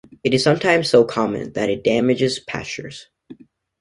It is sometimes so common that it damages pastures.